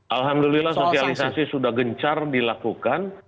alhamdulillah sosialisasi sudah gencar dilakukan